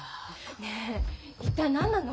ねえ一体何なの？